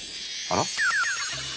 あら？